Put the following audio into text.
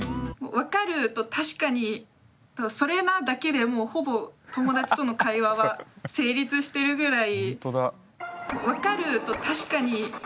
「分かる」と「確かに」と「それな」だけでもうほぼ友だちとの会話は成立してるぐらい。